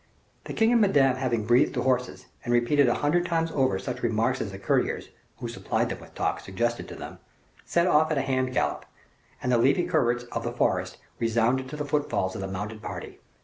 The king and Madame having breathed the horses, and repeated a hundred times over such remarks as the courtiers, who supplied them with talk, suggested to them, set off at a hand gallop, and the leafy coverts of the forest resounded to the footfalls of the mounted party.